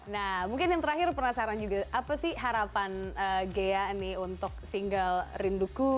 nah mungkin yang terakhir penasaran juga apa sih harapan ghea nih untuk single rinduku